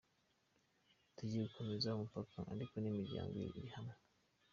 Tugiye gukomeza umupaka ariko n’imiryango iri hamwe”.